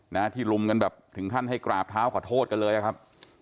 นะที่ลุมกันแบบถึงขั้นให้กราบเท้าขอโทษกันเลยอะครับ